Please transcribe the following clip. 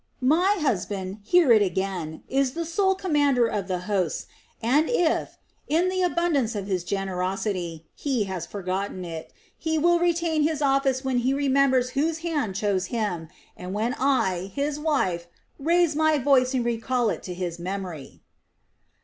"My husband hear it again is the sole commander of the hosts and if, in the abundance of his generosity, he has forgotten it, he will retain his office when he remembers whose hand chose him, and when I, his wife, raise my voice and recall it to his memory."